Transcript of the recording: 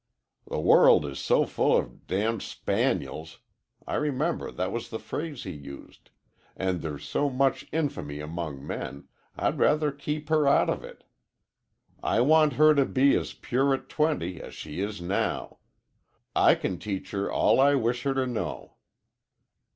'The world is so full of d d spaniels' I remember that was the phrase he used and there's so much infamy among men, I'd rather keep her out of it. I want her to be as pure at twenty as she is now. I can teach her all I wish her to know.'